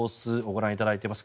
ご覧いただいています。